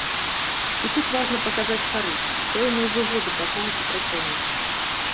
І тут важна паказаць карысць, пэўную выгоду такога супрацоўніцтва.